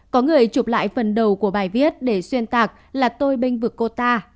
có người chụp lại phần đầu của bài viết để xuyên tạc là tôi binh vực cô ta